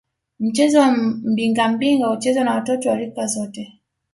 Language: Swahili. Mchezo wa Mbingambinga huchezwa na watoto wa rika zote